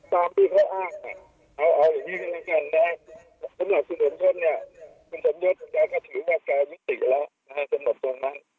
เป็นอยู่ตรวจสิทธิ์ตามที่เข้าอ้างเนี่ยเอาอย่างนี้ขึ้นด้วยกันเนี่ยเพราะฉะนั้นสูญชนเนี่ยคุณสมยศก็ถือว่าการยุติแล้วนะครับสำหรับตรงนั้น